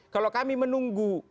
kalau kami menunggu